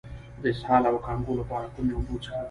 د اسهال او کانګو لپاره کومې اوبه وڅښم؟